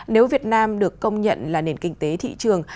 nếu việt nam được công nhận là nền kinh tế thị trường